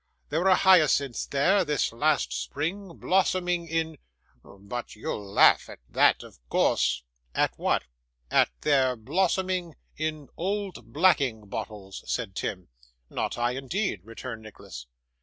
There were hyacinths there, this last spring, blossoming, in but you'll laugh at that, of course.' 'At what?' 'At their blossoming in old blacking bottles,' said Tim. 'Not I, indeed,' returned Nicholas.